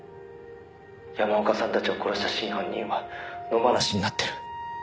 「山岡さんたちを殺した真犯人は野放しになってる」